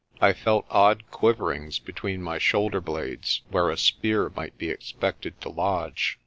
I felt odd quiverings between my shoulder blades where a spear might be expected to lodge.